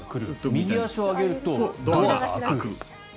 右足を上げるとドアが開く。